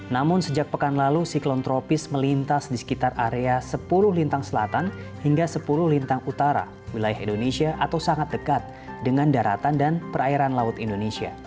namun sejak pekan lalu siklon tropis melintas di sekitar area sepuluh lintang selatan hingga sepuluh lintang utara wilayah indonesia atau sangat dekat dengan daratan dan perairan laut indonesia